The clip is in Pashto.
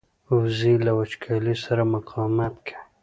وزې له وچکالۍ سره مقاومت کوي